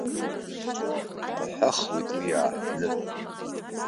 Аҳәахуеит уа иааҳәны.